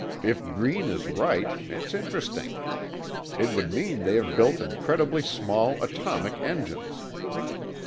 If Green is right, it's interesting. It would mean they have built incredibly small atomic engines.